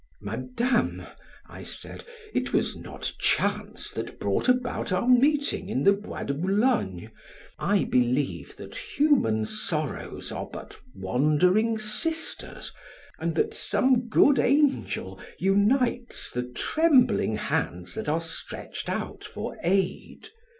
"Madame," I said, "it was not chance that brought about our meeting in the Bois de Boulogne. I believe that human sorrows are but wandering sisters and that some good angel unites the trembling hands that are stretched out for aid.